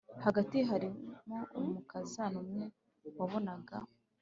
hagati harimo umukaraza umwe wabonaga